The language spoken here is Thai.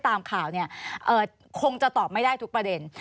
ตามข่าวเนี่ยคงจะตอบไม่ได้ทุกประเด็น